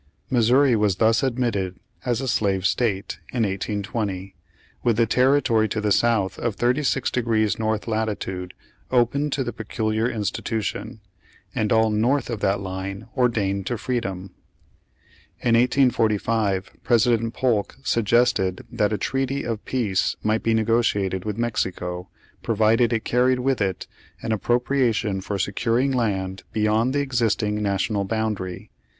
Missouri was thus admitted as a slave state in 1820, with the territory to the South of thirty six degrees North latitude open to the peculiar institution, and all North of that line ordained to freedom. In 1845, President Polk suggested that a treaty of peace might be negotiated with Mexico, pro vided it carried with it an appropriation for securing land beyond the existing national boundary.